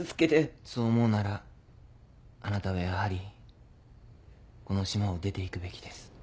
そう思うならあなたはやはりこの島を出て行くべきです。